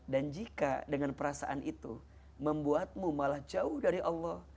dan jika dengan perasaan itu membuatmu malah jauh dari allah